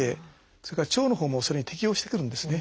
それから腸のほうもそれに適応してくるんですね。